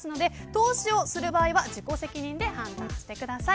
投資をする場合は自己責任で判断してください。